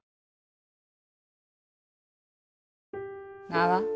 名は。